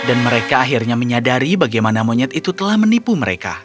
dan mereka akhirnya menyadari bagaimana monyet itu telah menipu mereka